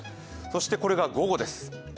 そしてこれが午後です。